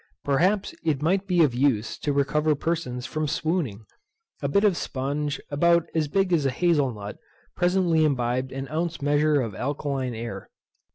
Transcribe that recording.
Perhaps it might be of use to recover persons from swooning. A bit of spunge, about as big as a hazel nut, presently imbibed an ounce measure of alkaline air.